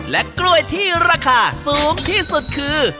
และกล้วยที่ราคาสูงที่สุดคือ